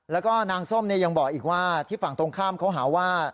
แล้วก็นางส้มยังบอกอีกว่าที่ฝั่งตรงข้ามเขาหาว่า